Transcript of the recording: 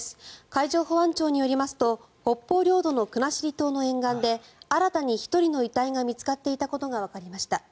海上保安庁によりますと北方領土の国後島の沿岸で新たに１人の遺体が見つかっていたことがわかりました。